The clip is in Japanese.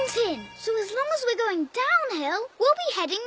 そうだね。